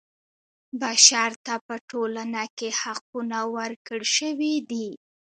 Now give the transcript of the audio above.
بشر ته په ټولنه کې حقونه ورکړل شوي دي.